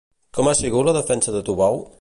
Com ha sigut la defensa de Tubau?